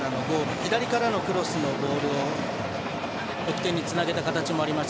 左からのクロスのボールを得点につなげた形もありました。